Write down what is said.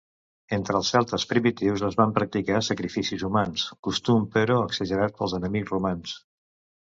Entre els celtes primitius es van practicar sacrificis humans, costum però exagerat pels enemics romans.